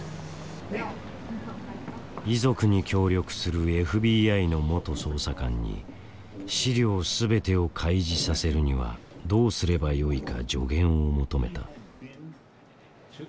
遺族に協力するＦＢＩの元捜査官に資料全てを開示させるにはどうすればよいか助言を求めた。